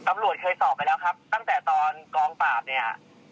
ตำรวจเคยสอบไปแล้วครับตั้งแต่ตอนกองปราบเนี่ย